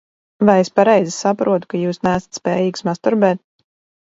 Vai es pareizi saprotu, ka jūs neesat spējīgs masturbēt?